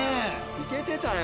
いけてたよ。